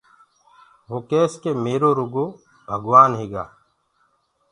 وو ڪيس ڪي ميرو رکو ڀگوآن هيگآ۔